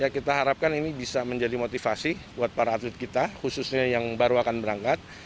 kita harapkan ini bisa menjadi motivasi buat para atlet kita khususnya yang baru akan berangkat